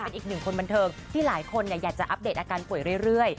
เป็นอีกหนึ่งคนบันเทิงที่หลายคนอยากจะอัปเดตอาการป่วยเรื่อย